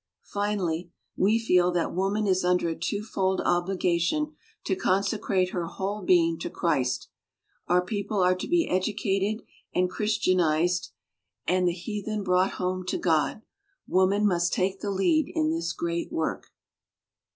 Finally, "we feel that woman is under a twofold obligation to con secrate her whole being to Christ. Our peo ple are to be educated and christianized and 46 WOMEX OF ACHIEVEMENT the heathen brought home to God. Woman must take the lead in this great work."